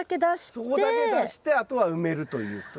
そこだけ出してあとは埋めるということですね。